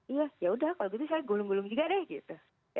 iya yaudah kalau gitu saya gulung gulung juga deh gitu